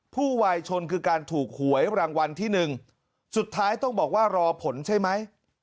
ผู้วายชนคือการถูกหวยรางวัลที่หนึ่งสุดท้ายต้องบอกว่ารอผลใช่ไหม